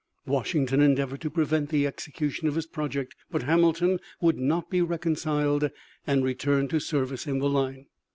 Washington endeavored to prevent the execution of his project, but Hamilton would not be reconciled and returned to service in the line.